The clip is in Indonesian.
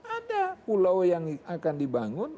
ada pulau yang akan dibangun